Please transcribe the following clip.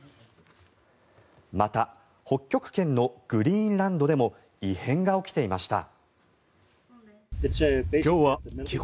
また北極圏のグリーンランドでも異変が起きていました。